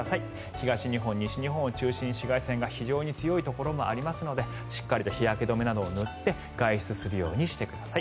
東日本、西日本を中心に紫外線が非常に強いところもありますのでしっかりと日焼け止めなどを塗って外出するようにしてください。